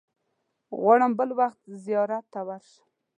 غواړم بل وخت زیارت ته ورشم.